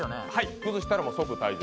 崩したら即退場。